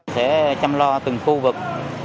sẽ chăm lo từng khu vực